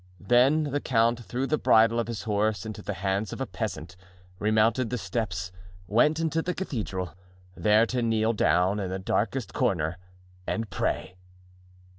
Then the count threw the bridle of his horse into the hands of a peasant, remounted the steps, went into the cathedral, there to kneel down in the darkest corner and pray.